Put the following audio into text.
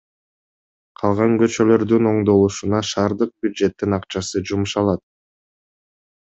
Калган көчөлөрдүн оңдолушуна шаардык бюджеттин акчасы жумшалат.